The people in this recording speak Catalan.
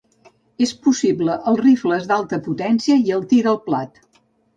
És possible els rifles d'alta potència i el tir al plat.